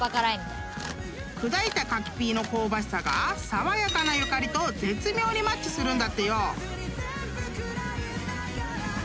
［砕いた柿ピーの香ばしさが爽やかなゆかりと絶妙にマッチするんだってよ！］